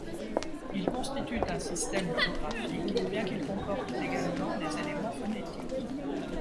Ils constituent un système logographique, bien qu’ils comportent également des éléments phonétiques.